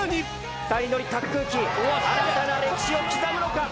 ２人乗り滑空機新たな歴史を刻むのか！？